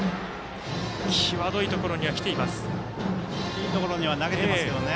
いいところには投げていますよね。